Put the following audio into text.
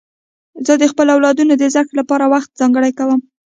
زه د خپلو اولادونو د زدهکړې لپاره وخت ځانګړی کوم.